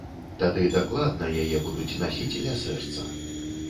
Тады дакладна яе будуць насіць ля сэрца!